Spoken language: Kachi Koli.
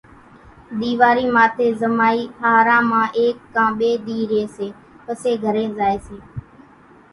ۮيوارِي ماٿي زمائي ۿاۿران مان ايڪ ڪان ٻي ۮِي رئي سي پسي گھرين زائي سي